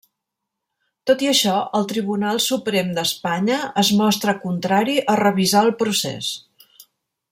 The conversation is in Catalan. Tot i això, el Tribunal Suprem d'Espanya es mostra contrari a revisar el procés.